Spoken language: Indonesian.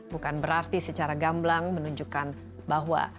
bukan berarti secara gamblang menunjukkan bahwa